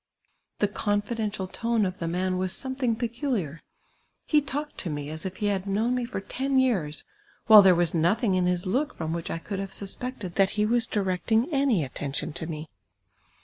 The confidential tone of the man was something peculiar ; he talked to me as if he had known me for ten years, while there was nothinp: in his look from which I could have suspected that he was directinp: any attention to me.